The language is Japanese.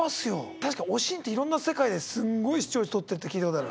確か「おしん」っていろんな世界ですんごい視聴率取ってるって聞いたことある。